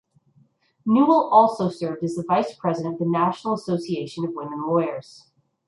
Newhall also served as the Vice President of the National Association of Women Lawyers.